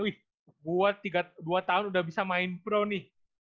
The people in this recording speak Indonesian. wih gue dua tahun udah bisa main pro nih